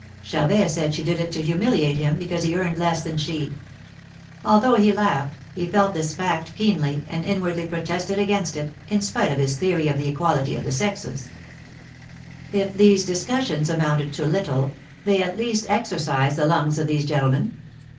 Charvet said she did it to humiliate him because he earned less than she. Although he laughed, he felt this fact keenly, and inwardly protested against it, in spite of his theory of the equality of the sexes. 172 THE MAEKETS OF PARIS. If these discussions amounted to little, they at least exercised the lungs of these gentlemen.